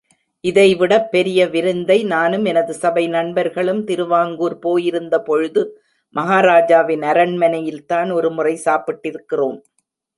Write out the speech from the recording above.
இதைவிடப் பெரிய விருந்தை நானும் எனது சபை நண்பர்களும், திருவாங்கூர் போயிருந்த பொழுது மஹாராஜாவின் அரண்மனையில்தான் ஒருமுறை சாப்பிட்டிருக்கிறோம்.